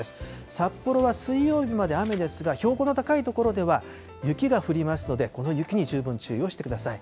札幌は水曜日まで雨ですが、標高の高い所では雪が降りますので、この雪に十分注意をしてください。